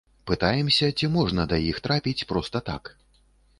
Пытаемся, ці можна да іх трапіць проста так.